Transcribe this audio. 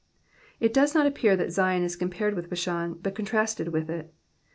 It does not appear that Zion is com pared with Bashan, but contrasted with it.